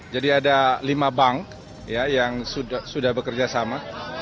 jadi ada lima bank yang sudah bekerjasama